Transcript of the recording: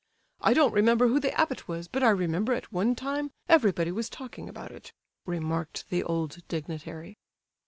I don't remember who the abbot was, but I remember at one time everybody was talking about it," remarked the old dignitary.